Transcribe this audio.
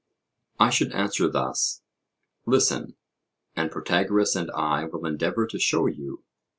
I should answer thus: Listen, and Protagoras and I will endeavour to show you.